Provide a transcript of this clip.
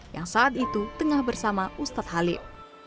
yang saat itu tengah bersama ustadz halim